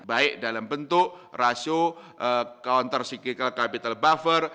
baik dalam bentuk rasio counter psikical capital buffer